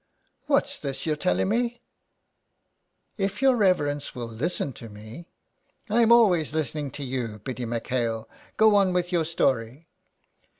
'' What's this you're telling me ?"" If your reverence will listen to me —"'' Pm always listening to you, Biddy M'Hale. Go on with your story."